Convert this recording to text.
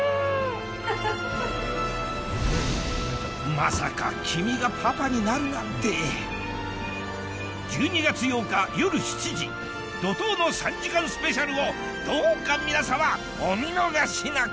まさか君がパパになるなんて１２月８日夜７時怒濤の３時間スペシャルをどうか皆さまお見逃しなく！